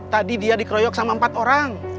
tadi dia dikeroyok sama empat orang